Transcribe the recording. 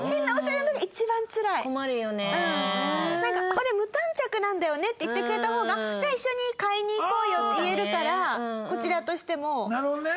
「俺無頓着なんだよね」って言ってくれた方が「じゃあ一緒に買いに行こうよ」って言えるからこちらとしても。なるほどね。